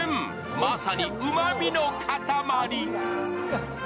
まさにうまみの塊。